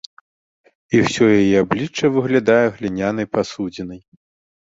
І ўсё яе аблічча выглядае глінянай пасудзінай.